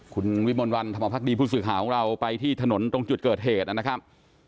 คุณวิมลวันธรรมภักดีผู้สื่อข่าวของเราไปที่ถนนตรงจุดเกิดเหตุนะครับ